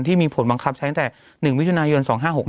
ที่มีผลบังคับใช้ตั้งแต่๑มิถุนายน๒๕๖๑